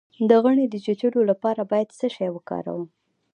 د غڼې د چیچلو لپاره باید څه شی وکاروم؟